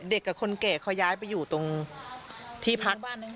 เด็กกับคนเก๋เขาย้ายไปตรงที่พัก